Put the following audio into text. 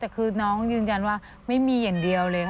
แต่คือน้องยืนยันว่าไม่มีอย่างเดียวเลยค่ะ